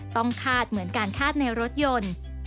คาดเหมือนการคาดในรถยนต์